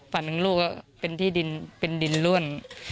ฝันหนึ่งลูกเป็นดินร่วน